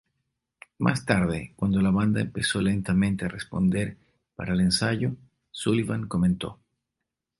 Más tarde, cuando la banda empezó lentamente a responder para el ensayo, Sullivan comentó.